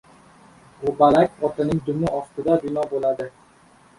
Go‘balak otning dumi ostida bino bo‘ladi!